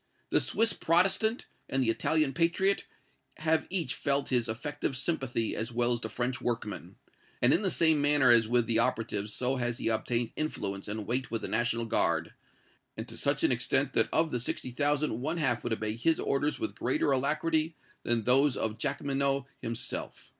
The Swiss Protestant and the Italian patriot have each felt his effective sympathy as well as the French workman; and in the same manner as with the operatives so has he obtained influence and weight with the National Guard, and to such an extent that of the sixty thousand one half would obey his orders with greater alacrity than those of Jacqueminot himself.